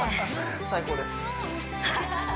最高です